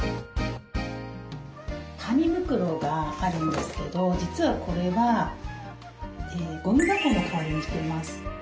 紙袋があるんですけど実はこれはゴミ箱の代わりにしてます。